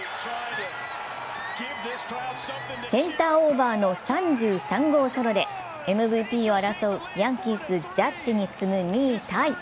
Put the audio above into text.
センターオーバーの３３号ソロでＭＶＰを争うヤンキース・ジャッジに次ぐ２位タイ。